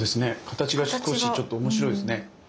形が少しちょっと面白いですね。